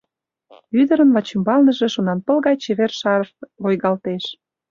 Ӱдырын вачӱмбалныже шонанпыл гай чевер шарф лойгалтеш.